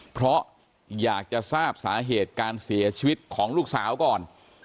เพราะอยากจะทราบสาเหตุการเสียชีวิตของลูกสาวก่อน